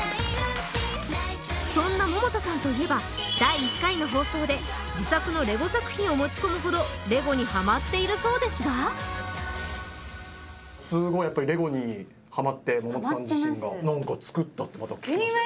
そんな百田さんといえば第１回の放送で自作のレゴ作品を持ち込むほどレゴにハマっているそうですがすごいレゴにハマって百田さん自身がハマってます